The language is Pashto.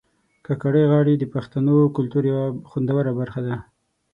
کاکړۍ غاړي د پښتنو کلتور یو خوندوره برخه ده